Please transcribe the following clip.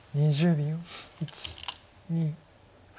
２０秒。